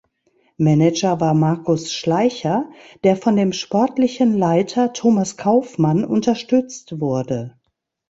Manager war Markus Schleicher, der von dem Sportlichen Leiter Thomas Kaufmann unterstützt wurde.